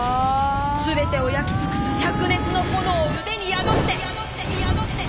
全てを焼きつくすしゃく熱のほのおをうでに宿して！